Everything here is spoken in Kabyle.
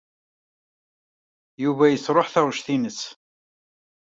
Yuba yesṛuḥ taɣect-nnes.